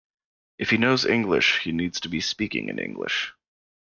If he knows English, he needs to be speaking in English.